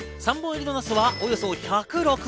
３本入りのなすはおよそ１０６円。